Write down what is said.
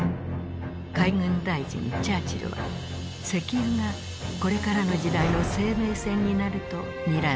海軍大臣チャーチルは石油がこれからの時代の生命線になるとにらんでいた。